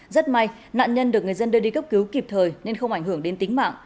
rất may nạn nhân được người dân đưa đi cấp cứu kịp thời nên không ảnh hưởng đến tính mạng